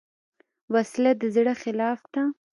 وسله د زړه خلاف ده